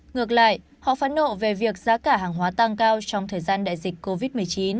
ngược lại họ phẫn nộ về việc giá cả hàng hóa tăng cao trong thời gian đại dịch covid một mươi chín